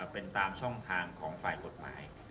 เป็นตามช่องทางของฝ่ายกฎหมาย